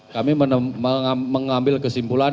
kami mengambil kesimpulan